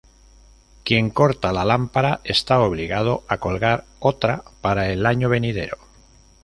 Quien corta la lámpara está obligado a colgar otra para el año venidero.